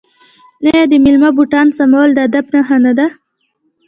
آیا د میلمه بوټان سمول د ادب نښه نه ده؟